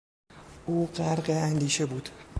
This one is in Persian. او غرق اندیشه بود.